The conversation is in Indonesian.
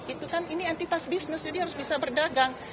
itu kan ini entitas bisnis jadi harus bisa berdagang